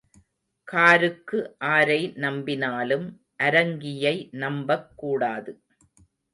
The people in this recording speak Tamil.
காருக்கு ஆரை நம்பினாலும் அரங்கியை நம்பக் கூடாது.